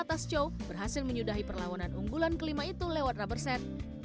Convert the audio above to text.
atas chow berhasil menyudahi perlawanan unggulan kelima itu lewat rubber set